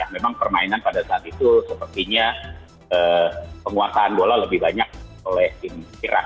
memang permainan pada saat itu sepertinya penguasaan bola lebih banyak oleh tim irak